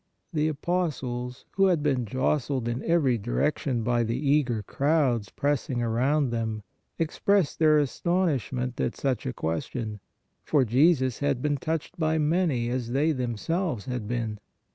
The apostles, who had been jostled in every direction by the eager crowds pressing around them, expressed their astonishment at such a question, for Jesus had been touched by 98 PRAYER many as they themselves had been.